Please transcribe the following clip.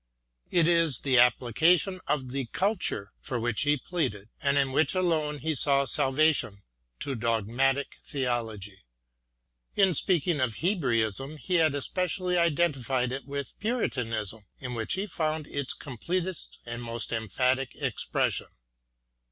It is the application of the culture for which he pleaded, and in which alone he saw salvation, to dogmatic theology. In speak ing of Hebraism he had especially identified it with Puritanism, in which he found its completest and most emphatic expression.